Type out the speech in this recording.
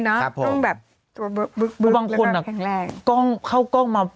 ต้องแบบบึกบึกแล้วก็แข็งแรง